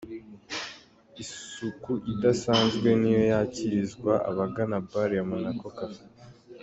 Isuku idasanzwe niyo yakirizwa abagana Bar ya Monaco Cafe.